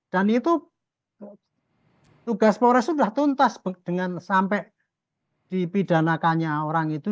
dan itu tugas polres sudah tuntas dengan sampai dipidanakannya orang itu